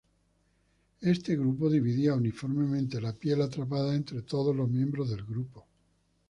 Estos grupos dividían uniformemente la piel atrapada entre todos los miembros del grupo.